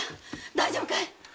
大丈夫かい